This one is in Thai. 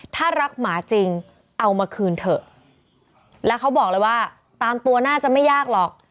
ถ้ารักหมาจริงเอามาคืนเถอะแล้วเขาบอกเลยว่าตามตัวน่าจะไม่ยากหรอก